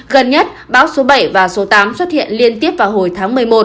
gần nhất bão số bảy và số tám xuất hiện liên tiếp vào hồi tháng một mươi một